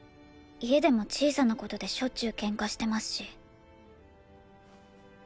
家でも小さな事でしょっちゅうケンカしてますし。